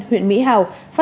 huyện mỹ hào